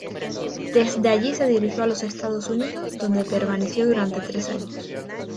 Desde allí se dirigió a los Estados Unidos, donde permaneció durante tres años.